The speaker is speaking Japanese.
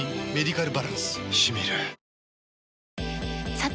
さて！